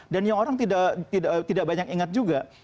dan yang orang tidak banyak ingat juga